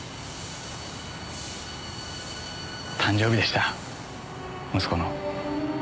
誕生日でした息子の。